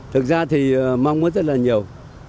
thực ra thì mong muốn rất là nhiều